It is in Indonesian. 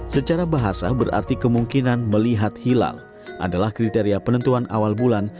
secara bahasa berarti kemungkinan melihat hilal adalah kriteria penentuan awal bulan